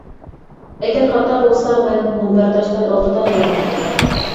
ئەگەر خاتا بولسا، مەن مۇنبەرداشلار ئالدىدا ناماقۇل.